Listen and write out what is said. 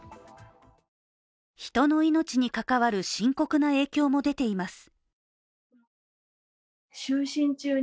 人の命にかかわる深刻な影響も出ています。